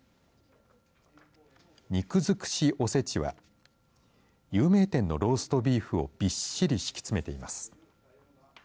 肉づくしおせちは有名店のローストビーフをびっしり敷き詰めています。